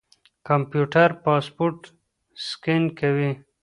کمپيوټر پاسپورټ سکېن کوي.